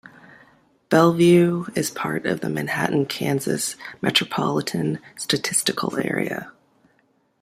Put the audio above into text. Belvue is part of the Manhattan, Kansas Metropolitan Statistical Area.